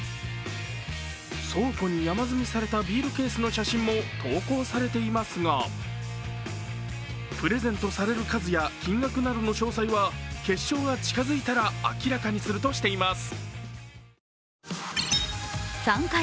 倉庫に山積みされたビールケースの写真も投稿されていますがプレゼントされる数や金額などの詳細は決勝が近づいたら明らかにするとしています。